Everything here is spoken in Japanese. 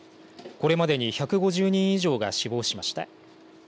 これまでに１５０人以上が死亡しました。